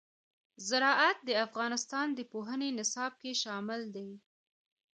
زراعت د افغانستان د پوهنې نصاب کې شامل دي.